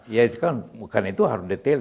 ya itu kan bukan itu harus detail